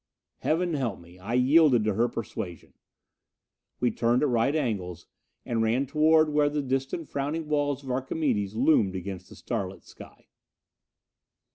Heaven help me, I yielded to her persuasion! We turned at right angles and ran toward where the distant frowning walls of Archimedes loomed against the starlit sky.